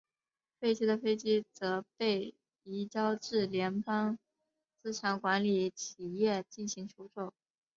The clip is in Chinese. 废弃的飞机则被移交至联邦资产管理企业进行出售。